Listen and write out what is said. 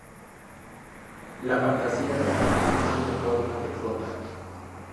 La fantasía de Aragón tiene forma de jota.